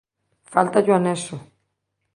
Fáltalle o anexo